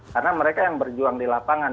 karena mereka yang berjuang di lapangan